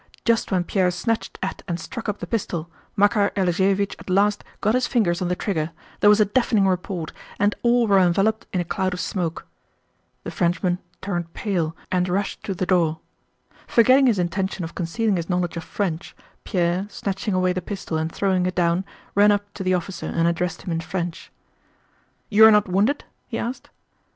Just when Pierre snatched at and struck up the pistol Makár Alexéevich at last got his fingers on the trigger, there was a deafening report, and all were enveloped in a cloud of smoke. The Frenchman turned pale and rushed to the door. Forgetting his intention of concealing his knowledge of French, Pierre, snatching away the pistol and throwing it down, ran up to the officer and addressed him in French. "You are not wounded?" he asked.